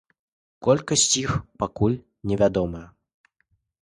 Колькасць іх пакуль невядомая.